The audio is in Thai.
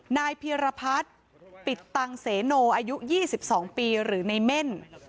นายเพียรพัฒน์ปิดตังเสโนอายุ๒๒ปีหรือในเม่น